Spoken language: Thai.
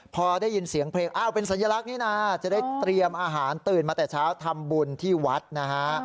พอได้ยินเสียงเพลงอ้าวเป็นสัญลักษณ์นี้นะจะได้เตรียมอาหารตื่นมาแต่เช้าทำบุญที่วัดนะฮะ